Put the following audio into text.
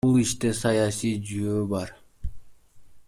Бул иште саясий жүйөө бар.